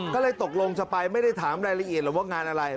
ก็เลยตกลงจะไปไม่ได้ถามรายละเอียดหรอกว่างานอะไร